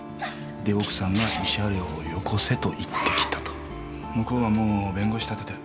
で奥さんが慰謝料をよこせと言ってきたと。向こうはもう弁護士立ててる。